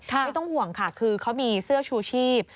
ไม่ต้องห่วงค่ะคือเขามีเสื้อชูชีพ